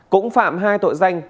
cũng phạm hai tội danh